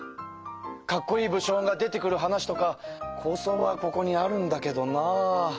かっこいい武将が出てくる話とか構想はここにあるんだけどな。